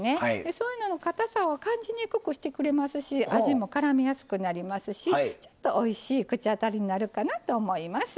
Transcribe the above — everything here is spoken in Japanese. そういうののかたさを感じにくくしてくれますし味もからみやすくなりますしちょっとおいしい口当たりになるかなと思います。